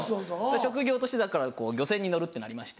職業としてだからこう漁船に乗るってなりまして。